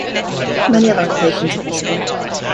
Many other applications are possible.